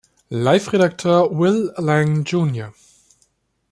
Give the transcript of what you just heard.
Life-Redakteur Will Lang Jr.